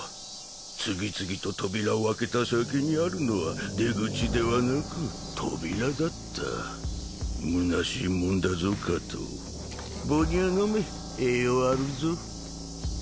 次々と扉を開けた先にあるのは出口ではなく扉だったむなしいもんだぞ加藤母乳飲め栄養あるぞ